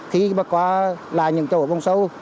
khi mà qua lại những chỗ vùng sâu